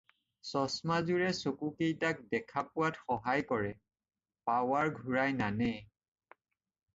চছমাযোৰে চকুকেইটাক দেখা পোৱাত সহায় কৰে, পাৱাৰ ঘূৰাই নানে।